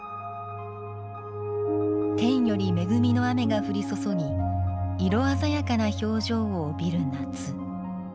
天より恵みの雨が降り注ぎ、色鮮やかな表情を帯びる夏。